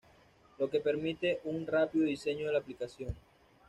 Lo que permite un rápido diseño de la aplicación.